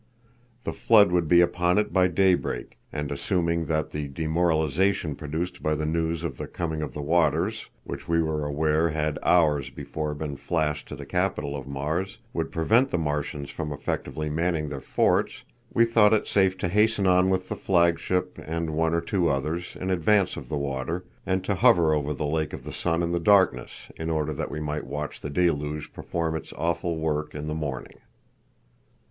The flood would be upon it by daybreak, and, assuming that the demoralization produced by the news of the coming of the waters, which we were aware had hours before been flashed to the capital of Mars, would prevent the Martians from effectively manning their forts, we thought it safe to hasten on with the flagship, and one or two others, in advance of the water, and to hover over the Lake of the Sun in the darkness, in order that we might watch the deluge perform its awful work in the morning.